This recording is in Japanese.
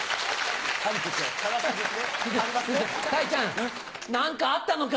ちゃん何かあったのか？